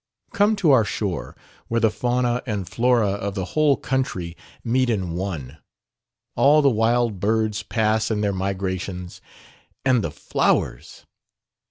Come to our shore, where the fauna and flora of the whole country meet in one. All the wild birds pass in their migrations; and the flowers!"